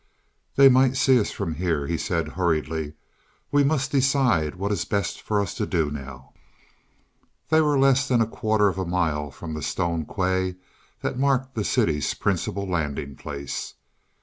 "They might see us from here," he said hurriedly. "We must decide what is best for us to do now." They were then less than a quarter of a mile from the stone quay that marked the city's principal landing place.